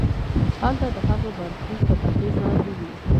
هلته د هغه برخلیک تر اغېز لاندې وي.